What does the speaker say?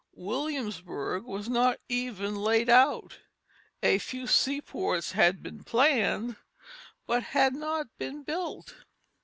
Williamsburg was not even laid out; a few seaports had been planned, but had not been built.